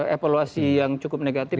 evaluasi yang cukup negatif